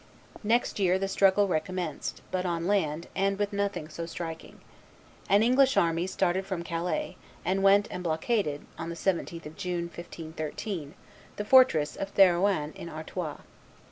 Next year the struggle recommenced, but on land, and with nothing so striking. An English army started from Calais, and went and blockaded, on the 17th of June, 1513, the fortress of Therouanne in Artois.